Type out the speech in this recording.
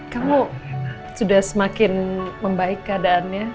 kamu sudah semakin membaik keadaannya